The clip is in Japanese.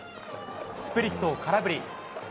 スプリットを空振り。